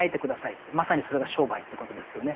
まさにそれが商売ということですよね。